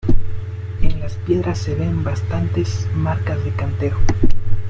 En las piedras se ven bastantes marcas de cantero.